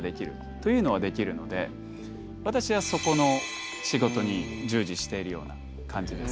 というのはできるので私はそこの仕事に従事しているような感じです。